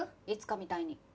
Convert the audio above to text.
いつかみたいに。